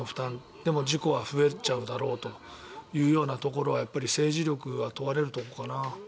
でも事故は増えちゃうだろうというようなところは政治力が問われるところかな。